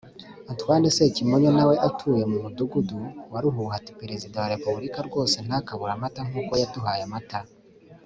Antoine Sekimonyo na we utuye mu Mudugudu wa Ruhuha ati “Perezida wa Repubulika rwose ntakabure amata nk’uko yaduhaye amata